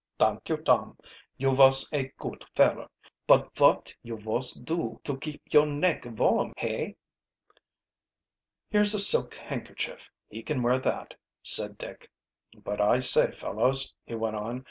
"Dank you, Tom, you vos a goot feller. But vot you vos do to keep your neck varm, hey?" "Here's a silk handkerchief, he can wear that," said Dick. "But I say, fellows," he went on.